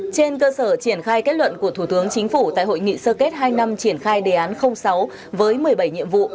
trên cơ sở triển khai kết luận của thủ tướng chính phủ tại hội nghị sơ kết hai năm triển khai đề án sáu với một mươi bảy nhiệm vụ